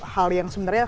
hal yang sebenarnya